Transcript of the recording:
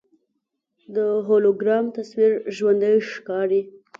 د هولوګرام تصویر ژوندی ښکاري.